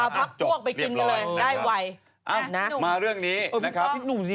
ในแต่ละสาขาที่คุณไป